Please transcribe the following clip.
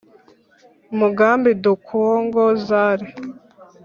mugambi du Congo Za re